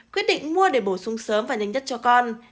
quyết định mua để bổ sung sớm và nhanh nhất cho con